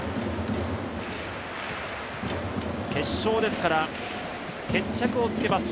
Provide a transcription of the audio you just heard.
決勝ですから、決着をつけます。